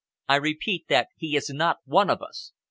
I repeat that he is not one of us.